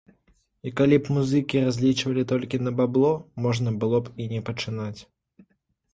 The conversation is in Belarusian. І калі б музыкі разлічвалі толькі на бабло, можна было б і не пачынаць.